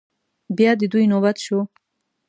بيا د دوی نوبت شو.